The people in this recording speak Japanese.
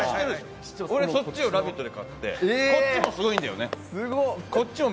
俺、そっちを「ラヴィット！」で買って、こっちもすごいんだよね。